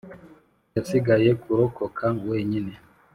yasigaye kurokoka wenyine.